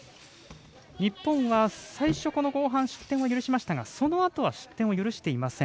日本は最初、この後半失点を許しましたがその後、失点は許していません。